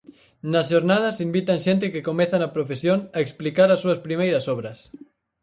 Nas xornadas invitan xente que comeza na profesión a explicar as súas primeiras obras.